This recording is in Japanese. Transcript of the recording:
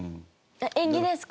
演技ですか？